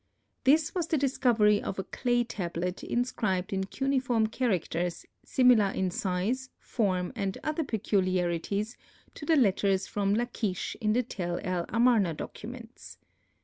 This was the discovery of a clay tablet inscribed in cuneiform characters similar in size, form and other peculiarities, to the letters from Lachish in the Tel el Amarna documents.